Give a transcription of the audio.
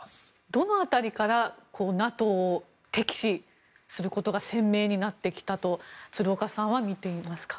どの辺りからＮＡＴＯを敵視することが鮮明になってきたと鶴岡さんは見ていますか？